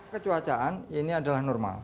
kecuacaan ini adalah normal